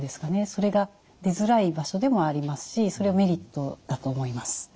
それが出づらい場所でもありますしそれはメリットだと思います。